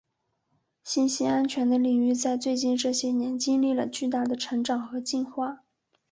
信息安全的领域在最近这些年经历了巨大的成长和进化。